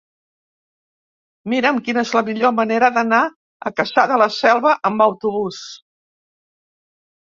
Mira'm quina és la millor manera d'anar a Cassà de la Selva amb autobús.